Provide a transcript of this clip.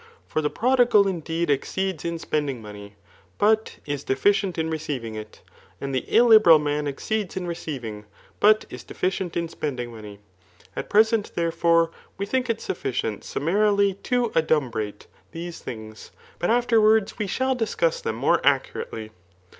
For the prodigal indeed exceeds in spending money, but is defi cient in receiving it; and the illiberal man exceeds in receivmg, but is deficient in spending money. At present, therefore, we think it sufficient summarily to adumbrate Arist. VOL. II. B Digitized by VjOOQIC 66 THE NlCOMACHEAK BOOfc tU these things ; but afterwards we shall discuss them more accurately.